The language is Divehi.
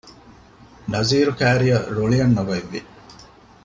ނަޒީރު ކައިރިއަށް ރުޅި އަންނަ ގޮތް ވި